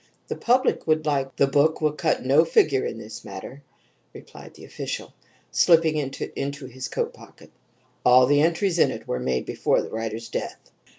The public would like " "The book will cut no figure in this matter," replied the official, slipping it into his coat pocket; "all the entries in it were made before the writer's death."